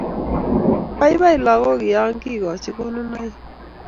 Baibai lagok ya kikochi konunoik